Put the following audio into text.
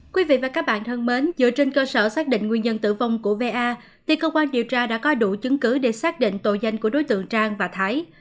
quý vị và các bạn thân mến dựa trên cơ sở xác định nguyên nhân tử vong của va thì cơ quan điều tra đã có đủ chứng cứ để xác định tội danh của đối tượng trang và thái